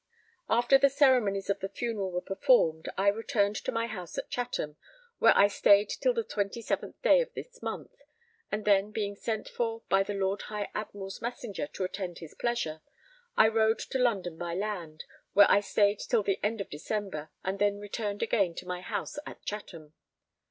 After the ceremonies of the funeral were performed, I returned to my house at Chatham, where I stayed till the 27th day of this month, and then, being sent for by the Lord High Admiral's messenger to attend his pleasure, I rode to London by land, where I stayed till the end of December, and then returned again to my house at Chatham.